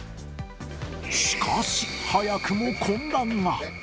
しかし、早くも混乱が。